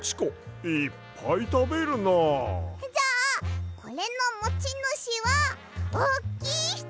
じゃあこれのもちぬしはおっきいひと！